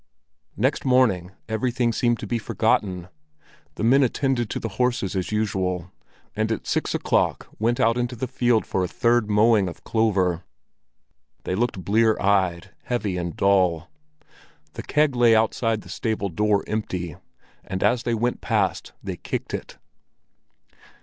Next morning everything seemed to be forgotten. The men attended to the horses as usual, and at six o'clock went out into the field for a third mowing of clover. They looked blear eyed, heavy and dull. The keg lay outside the stable door empty; and as they went past they kicked it.